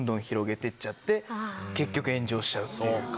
結局炎上しちゃうっていう。